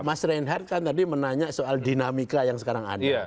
mas reinhardt kan tadi menanya soal dinamika yang sekarang ada